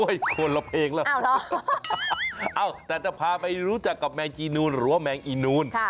คนละเพลงแล้วแต่จะพาไปรู้จักกับแมงจีนูนหรือว่าแมงอีนูน